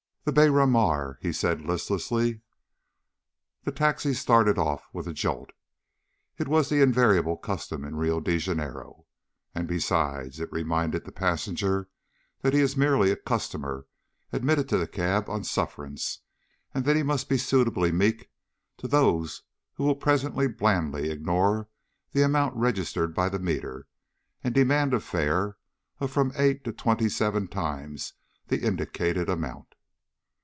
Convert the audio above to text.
"The Beira Mar," he said listlessly. The taxi started off with a jolt. It is the invariable custom in Rio de Janeiro. And besides, it reminds the passenger that he is merely a customer, admitted to the cab on suffrance, and that he must be suitably meek to those who will presently blandly ignore the amount registered by the meter and demand a fare of from eight to twenty seven times the indicated amount.